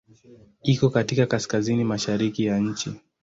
Iko katika kaskazini-mashariki ya nchi.